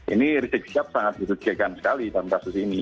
ini riseg siap sangat dirujikan sekali dalam kasus ini